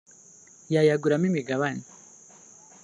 yayaguramo imigabane